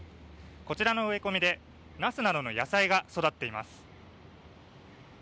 こちらの植え込みでナスなどの野菜が育っています。